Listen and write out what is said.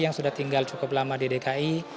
yang sudah tinggal cukup lama di dki